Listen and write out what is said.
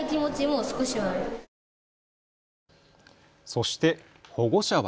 そして保護者は。